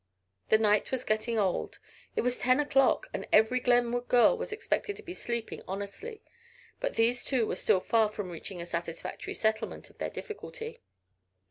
The night was getting old, it was ten o'clock and every Glenwood girl was expected to be sleeping honestly, but these two were still far from reaching a satisfactory settlement of their difficulty.